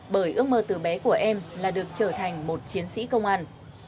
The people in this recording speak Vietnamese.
bởi ước mơ từ bé của em là được trở thành một chiến sĩ công an